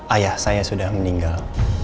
ayah saya sudah meninggal